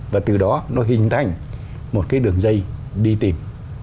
và từ đó nó hình thành một cái đường dây đi tìm